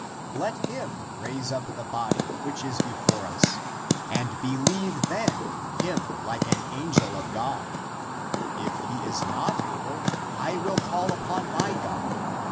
Let him raise up the body 102 THE APOCRYPHAL ACTS which is before us and beheve (then) him like an angel of God. If he is not able, I will call upon my God.